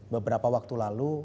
beberapa waktu lalu